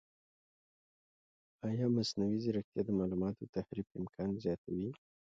ایا مصنوعي ځیرکتیا د معلوماتو تحریف امکان نه زیاتوي؟